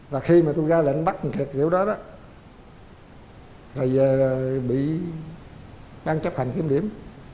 và khi mà tôi ra lệnh bắt kiểu đó là giờ bị ban chấp hành kiếm điểm